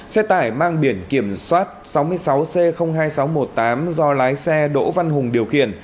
xe tải mang biển kiểm soát sáu mươi sáu c hai nghìn sáu trăm một mươi tám do lái xe đỗ văn hùng điều khiển